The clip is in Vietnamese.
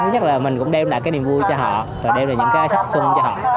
chắc là mình cũng đem lại cái niềm vui cho họ đem lại những cái sắc sung cho họ